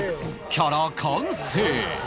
キャラ完成！